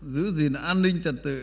giữ gìn an ninh trật tự